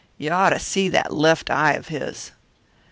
You ought to see that left eye of his!"